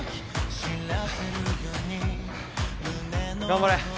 頑張れ！